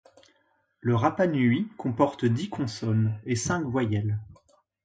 Le rapanui comporte dix consonnes et cinq voyelles.